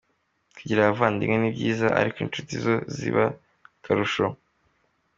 Kugira abavandimwe ni byiza, ariko inshuti zo ziba akarusho.